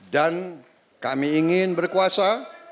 dan kami ingin berkuasa